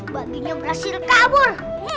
babinya berhasil kabur